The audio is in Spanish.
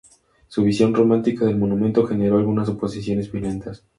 Su visión romántica del monumento generó algunas oposiciones violentas.